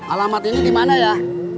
alamat ini dimana ya